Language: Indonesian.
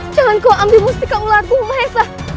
jangan kau ambil mustika ularku maesah